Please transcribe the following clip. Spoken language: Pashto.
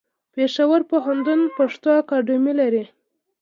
پېښور پوهنتون پښتو اکاډمي لري.